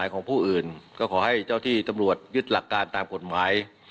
ก็ขอให้เจ้าที่ตำรวจยึดหลักการตามกฎหมาย